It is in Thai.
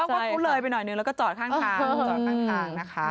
กลุ่นเลยไปหน่อยนึงแล้วก็จอดข้างทาง